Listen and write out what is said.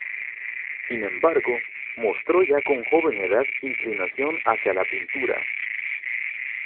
Sin embargo, mostró ya con joven edad inclinación hacia la pintura.